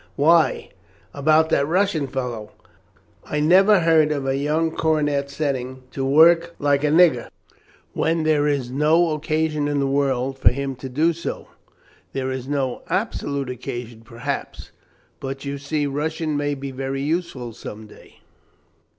"Why, about that Russian fellow. I never heard of a young cornet setting to to work like a nigger, when there is no occasion in the world for him to do so." "There is no absolute occasion perhaps, but you see Russian may be very useful some day."